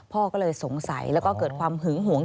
พ่อก็เลยสงสัยแล้วก็เกิดความหึงหวง